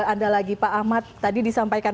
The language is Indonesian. anda lagi pak ahmad tadi disampaikan